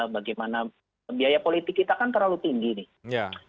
bagaimana biaya politik kita kan terlalu tinggi nih